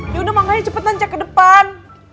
yaudah mangganya cepetan cek kedepan